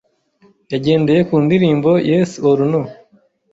yagendeye ku ndirimbo Yes Or No